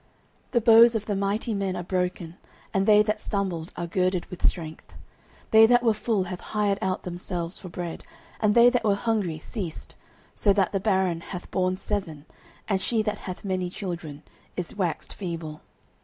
09:002:004 The bows of the mighty men are broken, and they that stumbled are girded with strength. 09:002:005 They that were full have hired out themselves for bread; and they that were hungry ceased: so that the barren hath born seven; and she that hath many children is waxed feeble.